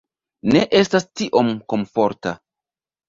Ne estas tiom komforta